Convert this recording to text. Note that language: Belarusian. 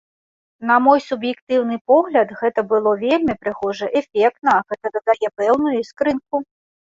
На мой суб'ектыўны погляд, гэта было вельмі прыгожа, эфектна, гэта дадае пэўную іскрынку.